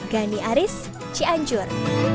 gani aris cianjur